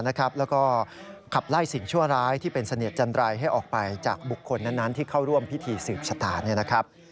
และก็ขับไล่สิ่งชั่วร้ายที่เป็นเสนียดจันรายให้ออกไปจากบุคคลนั้นนั้นที่เข้าร่วมพิธีสืบชะตา